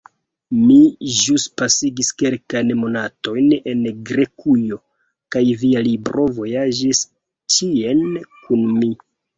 Mi ĵus pasigis kelkajn monatojn en Grekujo, kaj via libro vojaĝis ĉien kun mi.